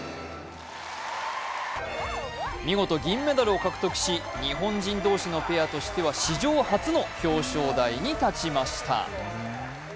見事銀メダルを獲得し、日本人同士のペアとしては史上初の表彰台に立ちました。